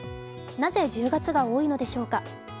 なぜ１０月が多いのでしょうか。